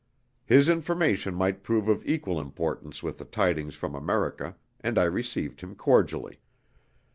His information might prove of equal importance with the tidings from America, and I received him cordially.